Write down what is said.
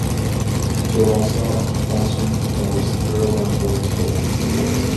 Il se lança ensuite dans le secteur de l'import-export.